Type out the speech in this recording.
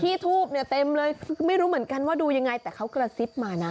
ทูบเนี่ยเต็มเลยไม่รู้เหมือนกันว่าดูยังไงแต่เขากระซิบมานะ